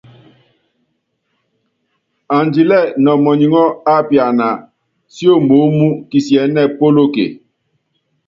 Andilɛ́ nɔmɔniŋɔɔ́ ápiana síomoómú, kisiɛ́nɛ́ polóke.